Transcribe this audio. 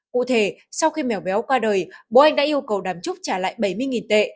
cụ thể sau khi mèo béo qua đời bố anh đã yêu cầu đàm trúc trả lại bảy mươi tệ